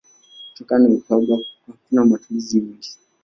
Kutokana na uhaba hakuna matumizi mengi.